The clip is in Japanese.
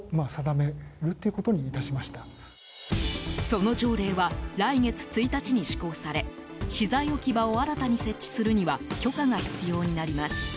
その条例は来月１日に施行され資材置き場を新たに設置するには許可が必要になります。